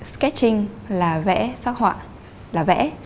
sketching là vẽ phát họa là vẽ